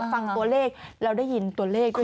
ฟังตัวเลขแล้วได้ยินตัวเลขด้วย